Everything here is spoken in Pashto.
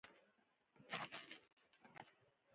له وزرو به يې شڼهاری پورته شو.